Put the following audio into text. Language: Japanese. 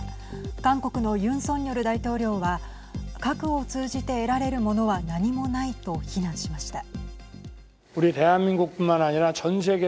韓国のユン・ソンニョル大統領は核を通じて得られるものは何もないと非難しました。